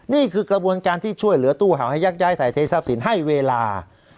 นี่คือกระบวนการที่ช่วยเหลือตู้เห่าให้ยักย้ายถ่ายเททรัพย์สินให้เวลา